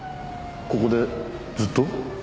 ここでずっと？